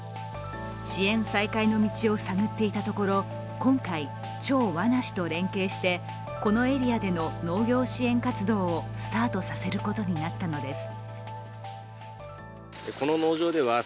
支援再開の道を探っていたところ、今回、チョウ・ワナ氏と連携してこのエリアでの農業支援活動をスタートさせることになったのです。